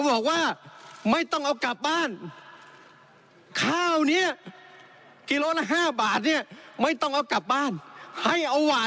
สำเร็จครับ